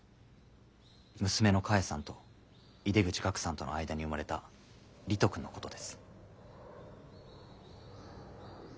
娘の菓恵さんと井出口岳さんとの間に生まれた理人くんのことです。